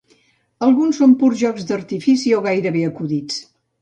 Alguns són purs jocs d'artifici o gairebé acudits.